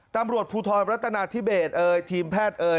ตำรวจภูทรรัฐนาธิเบสเอ่ยทีมแพทย์เอ่ย